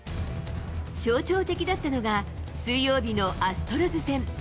象徴的だったのが、水曜日のアストロズ戦。